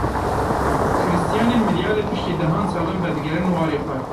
Krîstiyanên Midyadê piştî dehan salan vedigerin warê xwe.